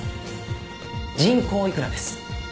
人工いくらです。